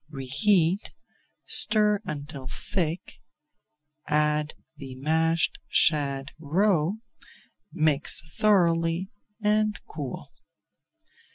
Reheat, stir until thick, add the mashed shad roe, mix thoroughly, and cool.